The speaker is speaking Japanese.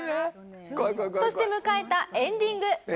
そして迎えたエンディング。